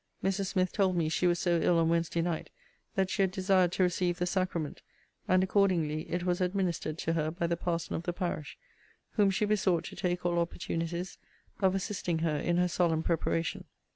Mrs. Smith told me she was so ill on Wednesday night, that she had desired to receive the sacrament; and accordingly it was administered to her, by the parson of the parish: whom she besought to take all opportunities of assisting her in her solemn preparation.